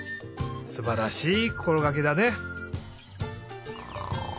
すばらしいこころがけだね。